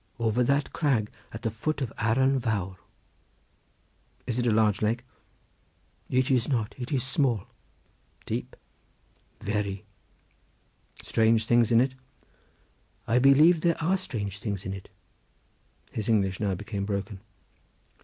"Over that crag at the foot of Aran Vawr." "Is it a large lake?" "It is not; it is small." "Deep?" "Very." "Strange things in it?" "I believe there are strange things in it." His English now became broken.